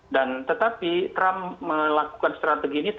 dan tetapi trump melakukan strategi ini tanpa